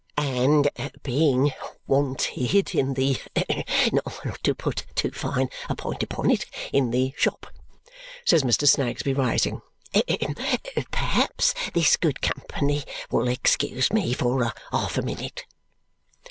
"And being wanted in the not to put too fine a point upon it in the shop," says Mr. Snagsby, rising, "perhaps this good company will excuse me for half a minute."